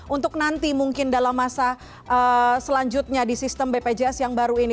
untuk nanti mungkin dalam masa selanjutnya di sistem bpjs yang baru ini